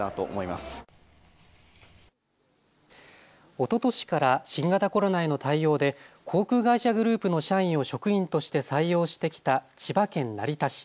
おととしから新型コロナへの対応で航空会社グループの社員を職員として採用してきた千葉県成田市。